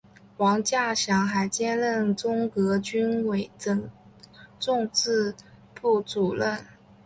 王稼祥还兼任中革军委总政治部主任。